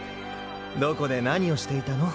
どこで何をしていたの？